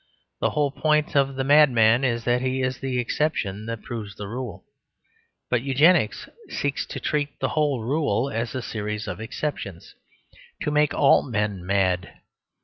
The whole point of the madman is that he is the exception that proves the rule. But Eugenics seeks to treat the whole rule as a series of exceptions to make all men mad.